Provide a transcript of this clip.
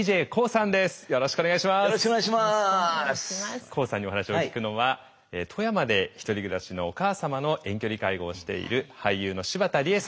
ＫＯＯさんにお話を聞くのは富山で一人暮らしのお母様の遠距離介護をしている俳優の柴田理恵さんです。